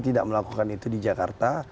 tidak melakukan itu di jakarta